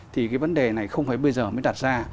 thì cái vấn đề này không phải bây giờ mới đặt ra